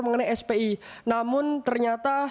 mengenai spi namun ternyata